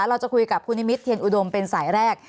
เราจะคุยกับคุณนิมิตเทียนอุดมเป็นสายแรก